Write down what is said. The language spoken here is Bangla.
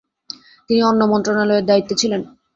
তিনি অন্য মন্ত্রণালয়ের দায়িত্বে ছিলেন।